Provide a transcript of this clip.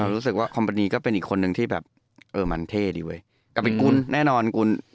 รู้สึกว่าคอมปานีก็เป็นอีกคนนึงที่แบบเออหมั่นเท่ดีเว้ย